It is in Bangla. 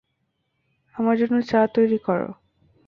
আমার জন্য চা তৈরি করো।